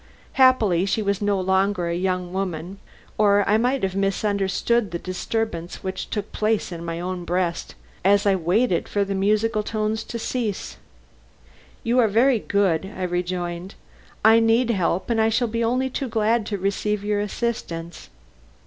Happily she was no longer a young woman or I might have misunderstood the disturbance which took place in my own breast as I waited for the musical tones to cease. "You are very good," I rejoined. "I need help, and shall be only too glad to receive your assistance."